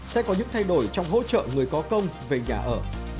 sẽ có những thay đổi trong hỗ trợ người có công về nhà ở